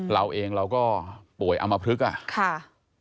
เราเองเราก็ป่วยอำมะพฤษอะ